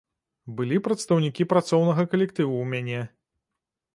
Былі прадстаўнікі працоўнага калектыву ў мяне.